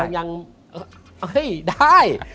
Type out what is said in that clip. ยังได้